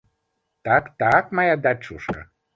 Так, так, мая дачушка!